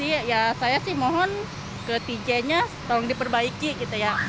terus kadang ya seperti itu aja sih ya saya sih mohon ke tj nya tolong diperbaiki gitu ya